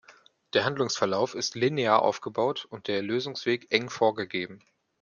Der Handlungsverlauf ist linear aufgebaut und der Lösungsweg eng vorgegeben.